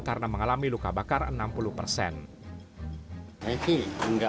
karena mengalami luka bakar enam puluh persen